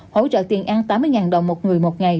hỗ trợ tiền ăn tám mươi đồng một người một ngày